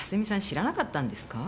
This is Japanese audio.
知らなかったんですか？